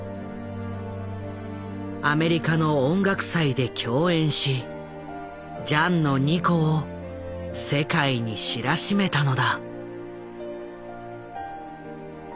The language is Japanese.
アメリカの音楽祭で共演しジャンの二胡を世界に知らしめたのだ。